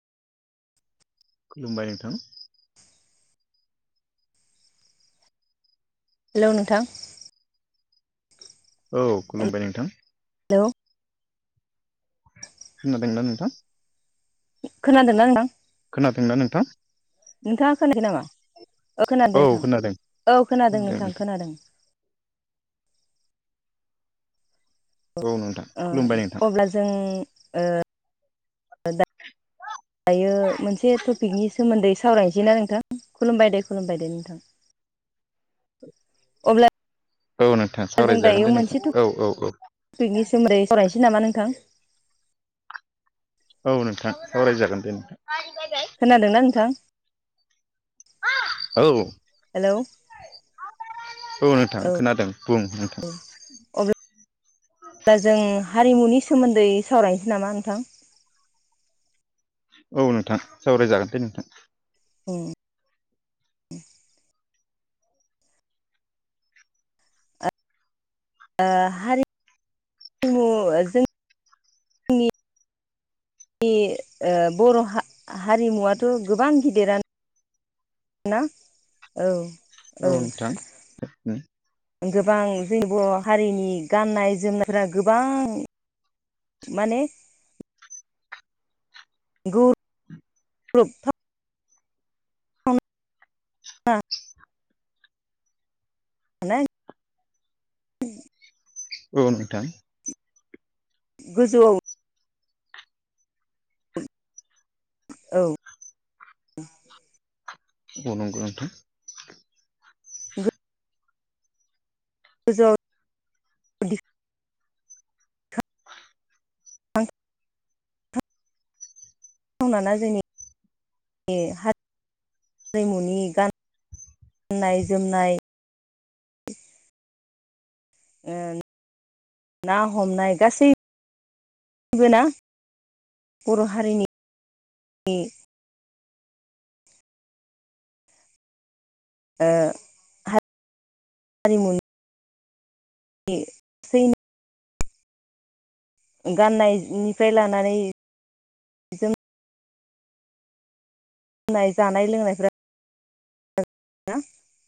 खुलुमबाय नोंथां हेल' नोंथां औ खुलुमबाय नोंथां हेल' खोनादोंना नोंथां खोनादोंना नोंथां खोनादोंना नोंथां नोंथाङा खोनाखै नामा औ खोनादों नोंथां औ खोनादों नोंथां खोनादों औ नोंथां खुलुमबाय नोंथां अब्ला जों ओ दायो मोनसे टपिकनि सोमोन्दै सावरायनोसै ना नोंथां खुलुमबाय दे खुलुमबाय दे नोंथां अब्ला औ नोंथां सावरायजागोन दे नोंथां औ औ औ तपिकनि सोमोन्दै सावरायनोसै नामा नोंथां औ नोंथां आ रायजागोन दे नोंथां खोनादों ना नोंथां औ हेलौ औ नोंथां खोनादों बुं नोंथां दा जों हारिमुनि सोमोन्दै सावरायनोसै नामा नोंथां औ नोंथां जावरायजागोन दे नोंथां अ ओ हारिमु जों नि बर' हारिमुवाथ' गोबां गिदिरानो ना औ औ गोबां जोंनि बर' हारिनि गाननाय जोमनायफोरा गोबां माने गौरबखा [unintelligible] [unintelligible] औ नोंथां गोजौआव औ औ नंगौ नोंथां गोजौ [unintelligible] मावनाना जोंनि बे हारिमुनि गान गाननाय जोमनाय ना हमनाय गासै बोना बर' हारिनि ओ हारिमुनि इ गाननायनिफ्राय लानानै गाननाय जानाय लोंनायफ्रा ना